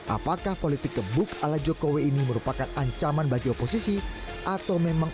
apakah politik kebuk ala jokowi ini merupakan ancaman bagi oposisi atau memang